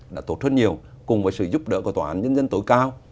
đã tốt hơn nhiều cùng với sự giúp đỡ của tòa án nhân dân tối cao